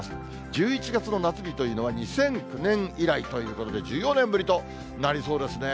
１１月の夏日というのは２００９年以来ということで、１４年ぶりとなりそうですね。